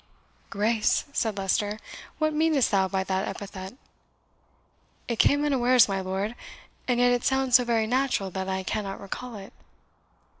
"Grace!" said Leicester; "what meanest thou by that epithet?" "It came unawares, my lord; and yet it sounds so very natural that I cannot recall it."